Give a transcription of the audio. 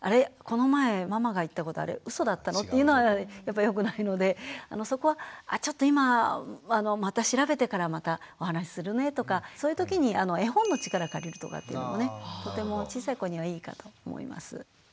この前ママが言ったことあれうそだったのっていうのはやっぱりよくないのでそこはあちょっと今また調べてからまたお話しするねとかそういう時に絵本の力を借りるとかっていうのもねとても小さい子にはいいかと思います。